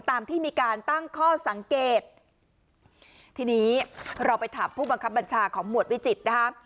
ตามที่มีการตั้งข้อสังเกตทีนี้เราไปถามผู้บังคับบัญชาของหมวดวิจิตรนะคะ